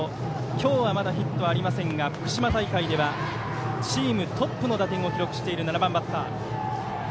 今日はまだヒットはありませんが福島大会ではチームトップの打点を記録した７番バッター。